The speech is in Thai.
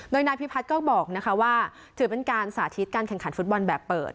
โดยนายพิพัฒน์ก็บอกว่าถือเป็นการสาธิตการแข่งขันฟุตบอลแบบเปิด